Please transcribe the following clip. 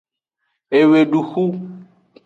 Eweduxu.